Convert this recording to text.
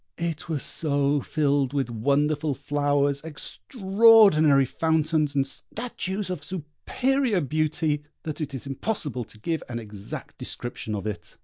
It was so filled with wonderful flowers, extraordinary fountains, and statues of superior beauty, that it is impossible to give an exact description of it.